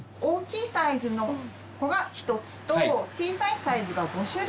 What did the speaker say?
大きいサイズの子が一つと小さいサイズが５種類。